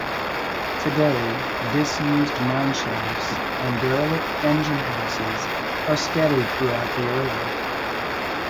Today, disused mineshafts and derelict engine houses are scattered throughout the area.